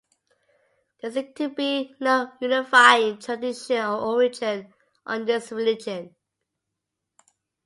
There seem to be no unifying tradition of origin on this religion.